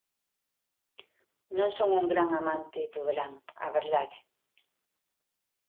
Non son un grande amante do verán, a verdade.